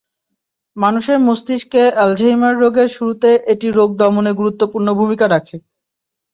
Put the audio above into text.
মানুষের মস্তিষ্কে আলঝেইমার রোগের শুরুতে এটি রোগ দমনে গুরুত্বপূর্ণ ভূমিকা রাখে।